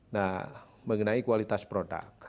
nah mengenai kualitas produk